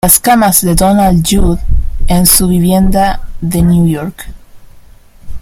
Las camas de Donald Judd en sus vivienda de New York.